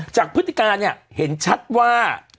พฤติการเนี่ยเห็นชัดว่า